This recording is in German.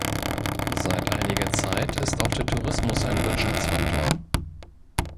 Seit einiger Zeit ist auch der Tourismus ein Wirtschaftsfaktor.